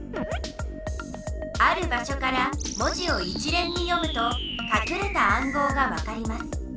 ある場しょから文字を一連に読むとかくれた暗号がわかります。